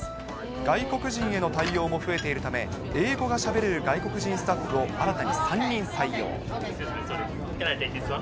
外国人への対応も増えているため、英語がしゃべれる外国人スタッフを新たに３人採用。